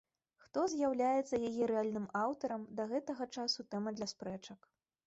Хто з'яўляецца яе рэальным аўтарам, да гэтага часу тэма для спрэчак.